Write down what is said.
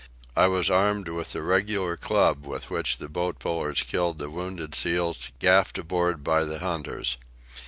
I was armed with the regular club with which the boat pullers killed the wounded seals gaffed aboard by the hunters.